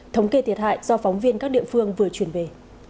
thống kê thiệt hại do phóng viên các địa phương vừa chuyển về